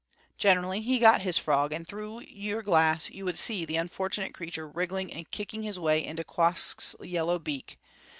Generally he got his frog, and through your glass you would see the unfortunate creature wriggling and kicking his way into Quoskh's yellow beak.